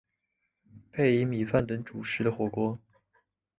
配以米饭等主食的火锅。